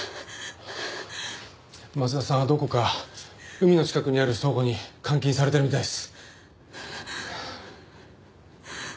松田さんはどこか海の近くにある倉庫に監禁されてるみたいです。